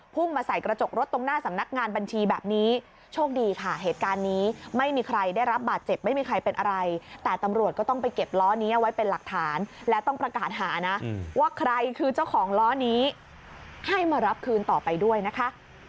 มาใส่กระจกรถตรงหน้าสำนักงานบัญชีแบบนี้โชคดีค่ะเหตุการณ์นี้ไม่มีใครได้รับบาดเจ็บไม่มีใครเป็นอะไรแต่ตำรวจก็ต้องไปเก็บล้อนี้เอาไว้เป็นหลักฐานและต้องประกาศหานะว่าใครคือเจ้าของล้อนี้ให้มารับคืนต่อไปด้วยนะคะ